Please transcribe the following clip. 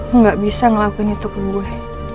enggak bisa ngelakuin itu ke gue